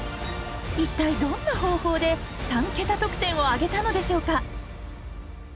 一体どんな方法で３桁得点を挙げたのでしょうか？